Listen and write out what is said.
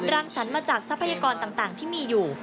รังสรรค์มาจากทรัพยากรต่างที่มีอยู่